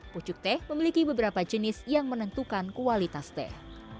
pucuk teh memiliki beberapa jenis yang menentukan kualitas teh